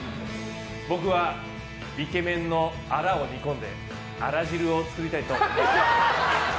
僕は、イケメンのあらを煮込んであら汁を作りたいと思います。